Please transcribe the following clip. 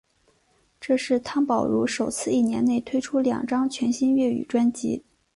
这是汤宝如首次一年内推出两张全新粤语专辑。